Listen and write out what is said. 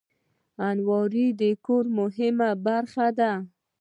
الماري د کور مهمه برخه ده